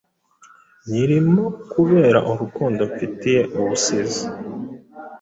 Nyirimo kubera urukundo mfitiye ubusizi